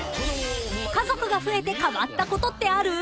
［家族が増えて変わったことってある？］